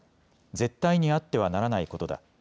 絶対にあってはならないことだ。